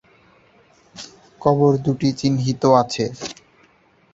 কবর দুটি চিহ্নিত আছে।